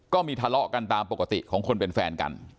ก็มีทะเลาะกันตามปกติของคนเป็นแฟนกัน